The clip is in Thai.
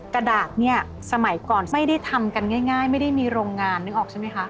กระดาษเนี่ยสมัยก่อนไม่ได้ทำกันง่ายไม่ได้มีโรงงานนึกออกใช่ไหมคะ